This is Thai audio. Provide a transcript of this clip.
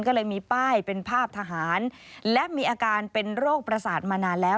ก็เลยมีป้ายเป็นภาพทหารและมีอาการเป็นโรคประสาทมานานแล้ว